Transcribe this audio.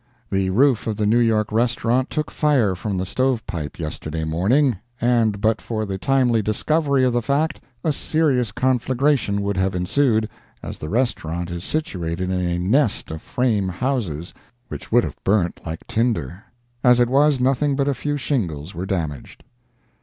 —The roof of the New York Restaurant took fire from the stovepipe, yesterday morning, and but for the timely discovery of the fact, a serious conflagration would have ensued, as the restaurant is situated in a nest of frame houses, which would have burned like tinder. As it was, nothing but a few shingles were damaged.